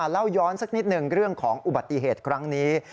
เล่าย้อนสักนิดหนึ่งเรื่องของอุบัติเหตุครั้งนี้